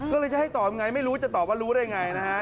ก็เลยจะให้ตอบยังไงไม่รู้จะตอบว่ารู้ได้ไงนะฮะ